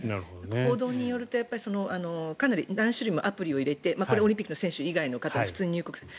報道によるとかなり何種類ものアプリを入れてこれはオリンピックの選手以外の普通に入国する方。